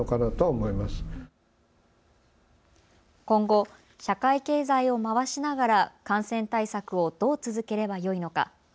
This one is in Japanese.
今後、社会経済を回しながら感染対策をどう続ければよいのか。